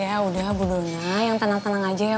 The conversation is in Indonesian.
ya udah bu dona yang tenang tenang aja ya pak ya